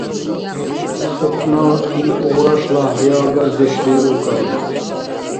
Ухъна ил угърашла хӀяяагардешли уркӀаиб.